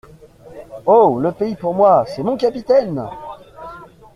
Oh ! le pays pour moi… c’est mon capitaine !